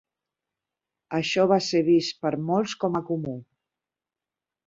Això va ser vist per molts com a comú.